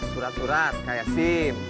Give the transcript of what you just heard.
surat surat kayak sim